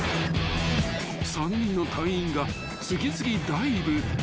［３人の隊員が次々ダイブ］